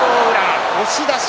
押し出し